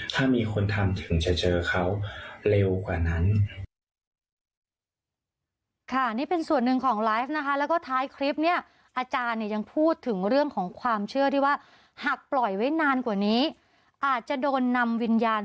ถ้ามีคนทำถึงจะเจอเขาเร็วกว่านั้น